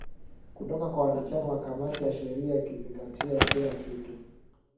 kutoka kwa wanachama wa kamati ya sheria ikizingatia kila kitu